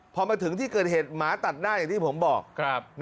พอมาถึงที่เกิดเหตุหมาตัดหน้าอย่างที่ผมบอก